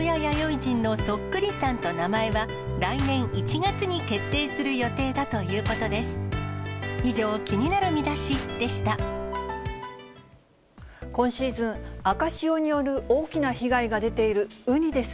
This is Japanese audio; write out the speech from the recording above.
人のそっくりさんと名前は、来年１月に決定する予定だということです。